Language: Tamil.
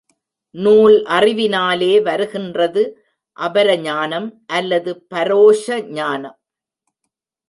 நூல் அறிவினாலே வருகின்றது அபரஞானம், அல்லது பரோக்ஷ ஞானம்.